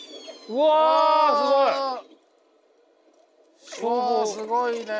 うわすごいね。